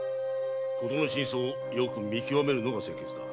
事の真相をよく見極めるのが先決だ。